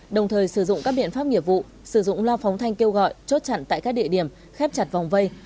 đồng thời sử dụng các biện pháp nghiệp vụ sử dụng loa phóng thanh kêu gọi chốt chặn tại các địa điểm khép chặt vòng vây